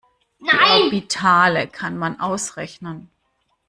Die Orbitale kann man ausrechnen.